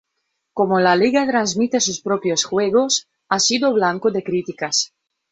Como la liga transmite sus propios juegos, ha sido blanco de críticas.